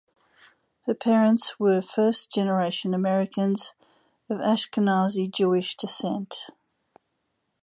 Her parents were first generation Americans of Ashkenazi Jewish descent.